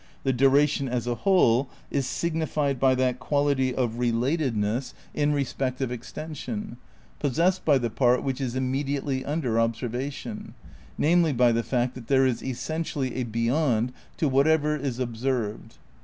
... "The duration as a whole is signified by that quality of relatedness (in ^ The Concept of Natwe, p. 68. 112 THE NEW IDEALISM m respect of extension) possessed by the part which is immediately under observation; namely, by the fact that there is essentially a beyond to whatever is observed.